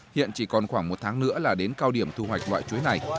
hiện chỉ còn khoảng một tháng nữa là đến cao điểm thu hoạch loại chuối này